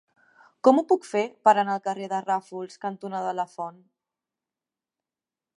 Com ho puc fer per anar al carrer Ràfols cantonada Lafont?